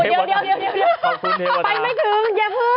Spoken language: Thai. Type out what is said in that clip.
ไปไม่ถึงเยอะเพิ่ง